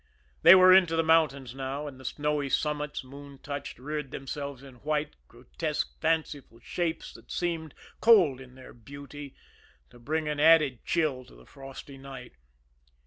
They were into the mountains now; and the snowy summits, moon touched, reared themselves in white, grotesque, fanciful shapes, and seemed, cold in their beauty, to bring an added chill to the frosty night.